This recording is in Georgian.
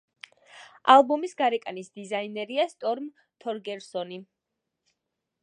ალბომის გარეკანის დიზაინერია სტორმ თორგერსონი.